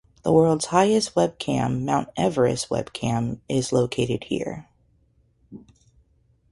The world's highest webcam, Mount Everest webcam, is located here.